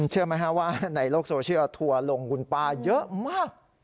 เชื่อมั้ยฮะว่าในโลกโซเชียรถั่วลงกุลปลาเยอะมาก